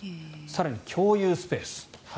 更に、共有スペース。